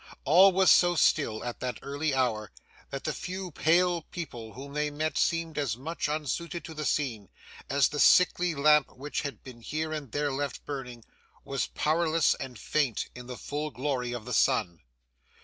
All was so still at that early hour, that the few pale people whom they met seemed as much unsuited to the scene, as the sickly lamp which had been here and there left burning, was powerless and faint in the full glory of the sun.